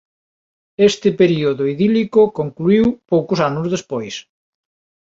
Este período idílico concluíu poucos anos despois.